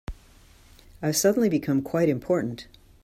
I've suddenly become quite important.